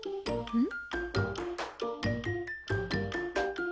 うん。